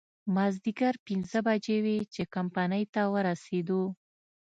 مازديګر پينځه بجې وې چې کمپنۍ ته ورسېدو.